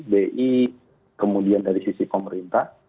bi kemudian dari sisi pemerintah